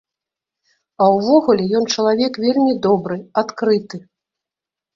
А ўвогуле ён чалавек вельмі добры, адкрыты.